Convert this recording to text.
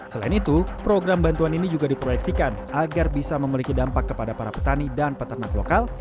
selain itu program bantuan ini juga diproyeksikan agar bisa memiliki dampak kepada para petani dan peternak lokal